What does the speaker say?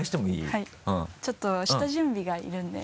はいちょっと下準備がいるんで。